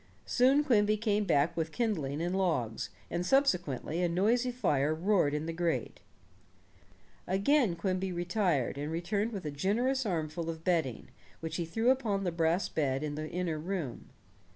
Soon Quimby came back with kindling and logs, and subsequently a noisy fire roared in the grate. Again Quimby retired, and returned with a generous armful of bedding, which he threw upon the brass bed in the inner room.